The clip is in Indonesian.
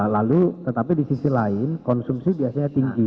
lalu tetapi di sisi lain konsumsi biasanya tinggi